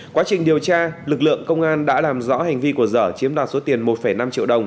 quá trình điều tra lực lượng công an đã làm rõ hành vi của dở chiếm đoạt số tiền một năm triệu đồng